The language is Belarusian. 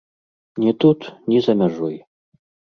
Ні тут, ні за мяжой.